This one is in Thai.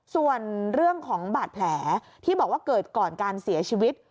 ส่วนเรื่องของบาดแผลที่บอกว่าเกิดก่อนการเสียชีวิต